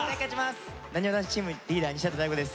なにわ男子チームリーダー西畑大吾です。